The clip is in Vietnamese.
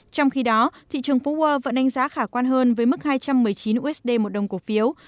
trong khi đó thị trường phố world vẫn đánh giá khả quan hơn với mức hai trăm một mươi chín usd một đồng cổ phiếu